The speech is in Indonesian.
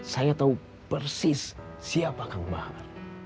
saya tahu persis siapa kang bakar